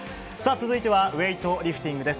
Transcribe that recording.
続いては、ウエイトリフティングです。